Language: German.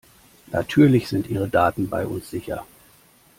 Natürlich sind ihre Daten bei uns sicher!